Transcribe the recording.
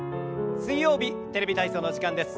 水曜日「テレビ体操」の時間です。